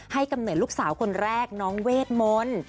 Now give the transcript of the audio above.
กำเนิดลูกสาวคนแรกน้องเวทมนต์